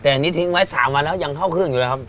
แต่อันนี้ทิ้งไว้๓วันแล้วยังเข้าเครื่องอยู่เลยครับ